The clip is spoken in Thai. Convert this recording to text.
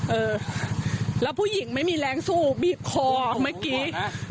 เออแล้วผู้หญิงไม่มีแรงสู้บีบคอเมื่อกี้